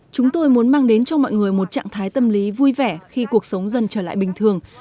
chúng tôi muốn mang đến cho mọi người một trạng thái tâm lý vui vẻ khi cuộc sống dần trở lại bình thường